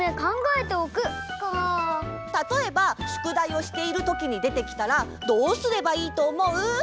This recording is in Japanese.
たとえばしゅくだいをしているときにでてきたらどうすればいいとおもう？